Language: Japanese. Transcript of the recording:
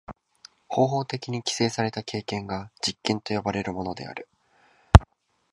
方法的に規制された経験が実験と呼ばれるものである。